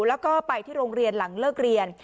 แล้วก็ไปที่โรงเรียนหลังเลิกเรียน